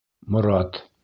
Морат...